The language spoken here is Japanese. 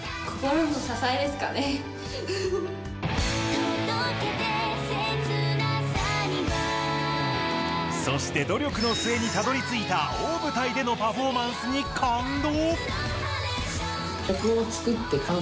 「届けて切なさには」そして努力の末にたどりついた大舞台でのパフォーマンスに感動。